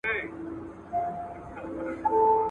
چیري ړوند هلک له ډاره په اوږه باندي مڼه ساتي؟